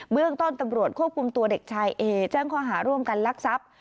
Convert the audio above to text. เมืองต้นตำรวจควบคุมตัวเด็กชายเอแจ้งข้อหาร่วมกันลักทรัพย์